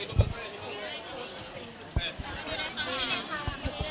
ยังไม่ได้คิดค่ะ